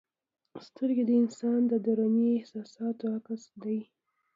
سترګې د انسان د دروني احساساتو عکس دی.